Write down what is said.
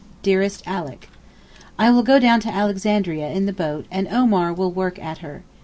DEAREST ALICK, I will go down to Alexandria in the boat and Omar will work at her.